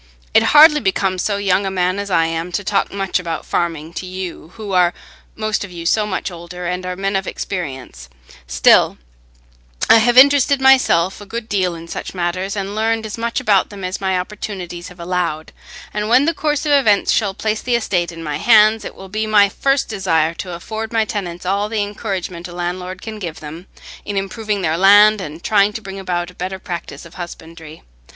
It hardly becomes so young a man as I am to talk much about farming to you, who are most of you so much older, and are men of experience; still, I have interested myself a good deal in such matters, and learned as much about them as my opportunities have allowed; and when the course of events shall place the estate in my hands, it will be my first desire to afford my tenants all the encouragement a landlord can give them, in improving their land and trying to bring about a better practice of husbandry.